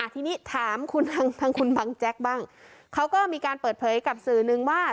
ทีนี้ถามคุณทางคุณบังแจ๊กบ้างเขาก็มีการเปิดเผยกับสื่อนึงว่า